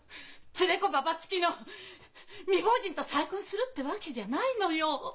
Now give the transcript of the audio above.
連れ子ババつきの未亡人と再婚するってわけじゃないのよ！